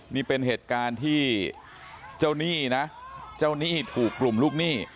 นี่เป็นเหตุการณ์ที่เจ้าหนี้นะเจ้าหนี้ถูกกลุ่มลูกหนี้